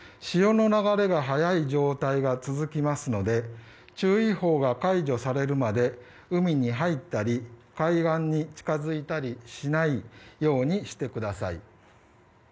潮の流れが速い状況が続きますので注意報が解除されるまで海に入ったり海岸に近づいたりしないようにしてください。